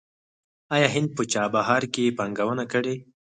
آیا هند په چابهار کې پانګونه کړې؟